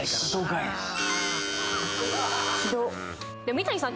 三谷さん